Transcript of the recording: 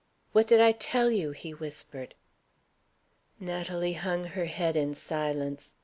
"What did I tell you?" he whispered. Natalie hung her head in silence.